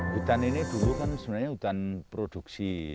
hutan ini dulu kan sebenarnya hutan produksi